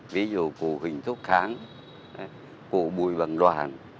ví dụ cụ huỳnh thúc kháng cụ bùi bằng đoàn